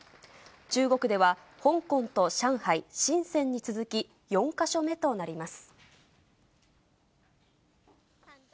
中国では香港と上海、深せんに続き、４か所目となります。